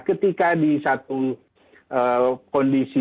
ketika di satu kondisi